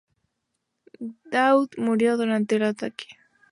Daud murió durante el ataque.